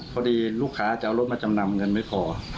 พอดีลูกค้าจะเอารถมาจำนำเงินไม่พอ